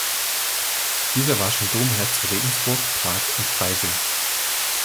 Dieser war schon Domherr zu Regensburg, Prag und Freising.